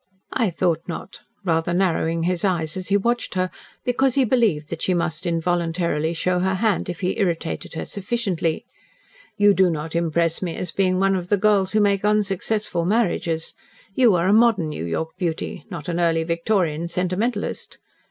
"I thought not," rather narrowing his eyes as he watched her, because he believed that she must involuntarily show her hand if he irritated her sufficiently. "You do not impress me as being one of the girls who make unsuccessful marriages. You are a modern New York beauty not an early Victorian sentimentalist."